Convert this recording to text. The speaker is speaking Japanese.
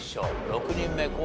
６人目昴